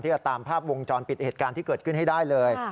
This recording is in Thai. จะตามภาพวงจรปิดเหตุการณ์ที่เกิดขึ้นให้ได้เลย